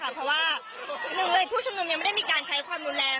เพราะว่าเพราะว่าผู้ชมนุมยังไม่ได้มีการใช้ความมูลแรง